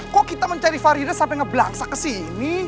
kok kita mencari farida sampe ngeblaksa kesini